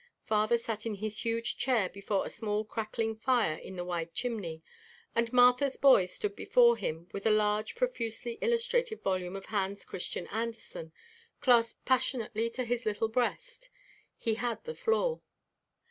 Father sat in his huge chair before a small crackling fire in the wide chimney, and Martha's boy stood before him with a large, profusely illustrated volume of Hans Christian Andersen clasped passionately to his little breast. He had the floor.